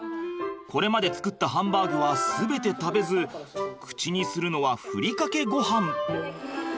これまで作ったハンバーグは全て食べず口にするのはふりかけごはん。